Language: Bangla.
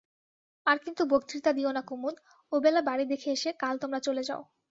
আর কিন্তু বক্তৃতা দিও না কুমুদ ওবেলা বাড়ি দেখে এসে কাল তোমরা চলে যাও।